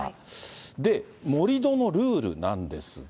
で、盛り土のルールなんですが。